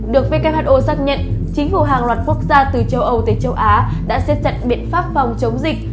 được who xác nhận chính phủ hàng loạt quốc gia từ châu âu tới châu á đã xếp chặt biện pháp phòng chống dịch